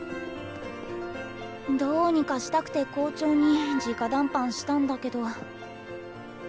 どうにかしたくて校長にじか談判したんだけど。